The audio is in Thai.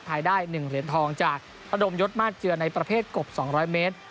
ไทยได้๑เหรียญทองจากระดมยศมาสเจือในประเภทกบ๒๐๐เมตร